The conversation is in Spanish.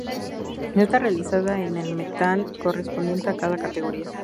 Está realizada en el metal correspondiente a cada categoría.